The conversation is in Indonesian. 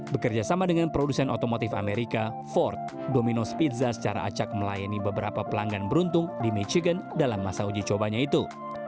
bekerja sama dengan produsen otomotif amerika ford dominos pizza secara acak melayani beberapa pelanggan beruntung di michigan dalam masa uji cobanya itu